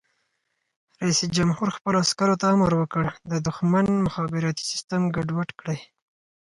رئیس جمهور خپلو عسکرو ته امر وکړ؛ د دښمن مخابراتي سیسټم ګډوډ کړئ!